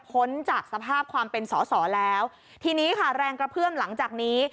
พ้นจากสภาพความเป็นสอสอแล้วทีนี้ค่ะแรงกระเพื่อมหลังจากนี้